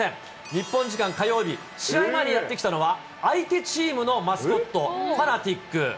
日本時間火曜日、試合前にやって来たのは、相手チームのマスコット、ファナティック。